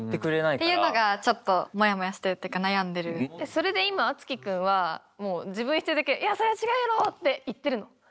それで今あつき君はもう自分一人だけ「いやそれは違うやろ！」って言ってるの？